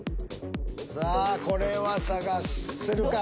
さあこれはさがせるか？